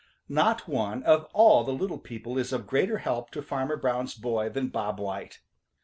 Not one of all the little people is of greater help to Farmer Brown's boy than Bob White.